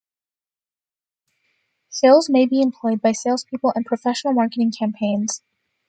Shills may be employed by salespeople and professional marketing campaigns.